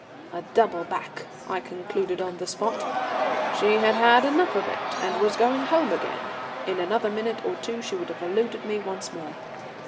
"A double back," I concluded on the spot. She had had enough of it, and was going home again. In another minute or two she would have eluded me once more.